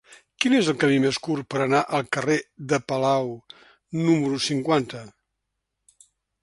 Quin és el camí més curt per anar al carrer de Palau número cinquanta?